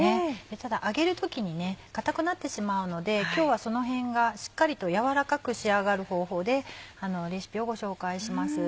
ただ揚げる時に硬くなってしまうので今日はそのへんがしっかりと軟らかく仕上がる方法でレシピをご紹介します。